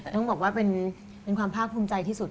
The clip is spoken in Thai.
ต้องบอกว่าเป็นความภาคภูมิใจที่สุด